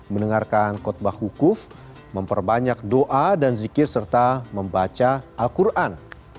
mendengarkan kotbah hukuf memperbanyak doa dan zikir serta membaca al quran